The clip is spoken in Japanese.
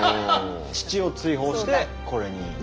父を追放してこれに。